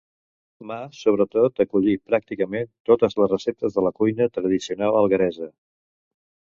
ma sobretot aculli pràcticament totes les receptes de la cuina tradicional algueresa